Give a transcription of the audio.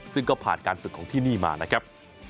ซึ่งก็ผ่านการฝึกของที่นี่มานะครับ